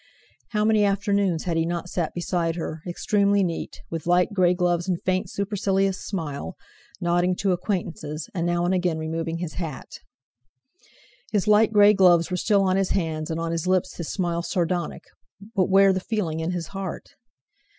How many afternoons had he not sat beside her, extremely neat, with light grey gloves and faint, supercilious smile, nodding to acquaintances, and now and again removing his hat. His light grey gloves were still on his hands, and on his lips his smile sardonic, but where the feeling in his heart?